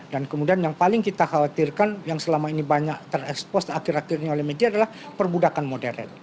dan kemudian yang paling kita khawatirkan yang selama ini banyak terekspos akhir akhirnya oleh media adalah perbudakan modern